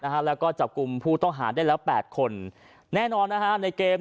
ค่ะแล้วก็จับกลุ่มผู้ต้องหาได้แล้ว๘คนแน่นอนนะคะในเกมนี้แหละ